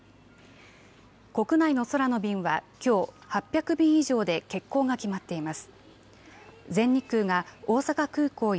国内の空の便はきょう８００便以上で欠航が決まっています。